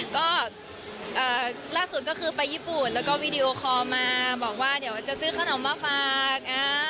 ก็ล่าสุดก็คือไปญี่ปุ่นแล้วก็วีดีโอคอลมาบอกว่าเดี๋ยวจะซื้อขนมมาฝาก